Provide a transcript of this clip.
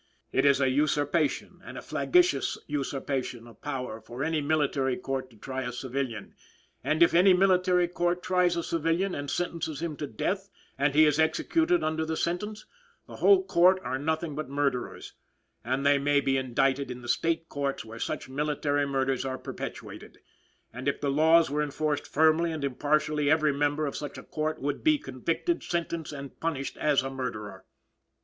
It is a usurpation, and a flagitious usurpation of power for any military court to try a civilian, and if any military court tries a civilian and sentences him to death and he is executed under the sentence, the whole court are nothing but murderers, and they may be indicted in the State courts where such military murders are perpetrated; and if the laws were enforced firmly and impartially every member of such a court would be convicted, sentenced and punished as a murderer."